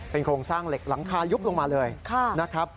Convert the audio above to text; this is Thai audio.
โครงสร้างเหล็กหลังคายุบลงมาเลยนะครับ